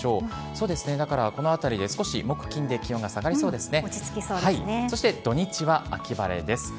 そうですね、だからこのあたりで少し木、金で気温が下がりそうですね。